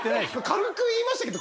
軽く言いましたけど